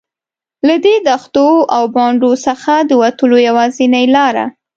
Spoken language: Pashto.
له دې دښتو او بانډو څخه د وتلو یوازینۍ لاره.